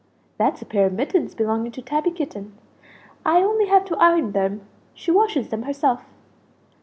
"That's a pair of mittens belonging to Tabby Kitten; I only have to iron them; she washes them herself."